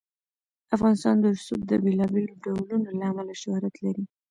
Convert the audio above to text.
افغانستان د رسوب د بېلابېلو ډولونو له امله شهرت لري.